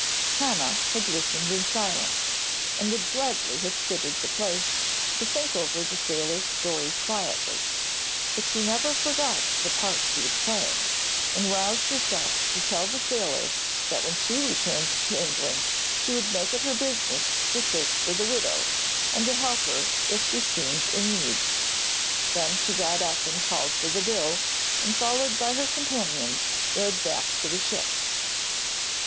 Hannah had listened in silence, and would gladly have quitted the place, to think over the sailor's story quietly. But she never forgot the part she was playing, and roused herself to tell the sailor that when she returned to England she would make it her business to search for the widow, and to help her if she seemed in need. Then she got up and called for the bill, and followed by her companions, rowed back to the ship.